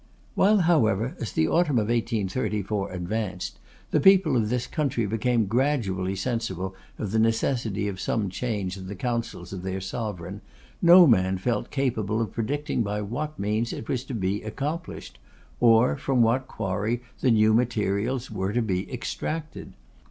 While, however, as the autumn of 1834 advanced, the people of this country became gradually sensible of the necessity of some change in the councils of their Sovereign, no man felt capable of predicting by what means it was to be accomplished, or from what quarry the new materials were to be extracted.